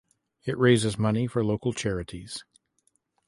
It raises money for local charities.